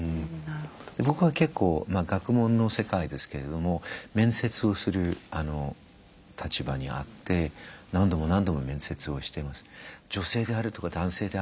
僕は結構まあ学問の世界ですけれども面接をする立場にあって何度も何度も面接をしてます。